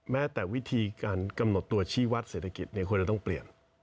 แม้แต่วิธีการกำหนดตัวชีวัตรเศรษฐกิจควรจะต้องเปลี่ยน